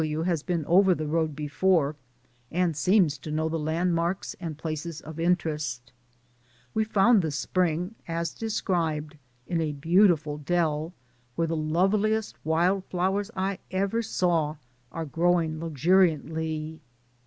W. has been over the road before and seems to know the landmarks and places of interest. We found the spring, as described, in a beautiful dell, where the loveliest wild flowers I ever saw are growing luxuriantly.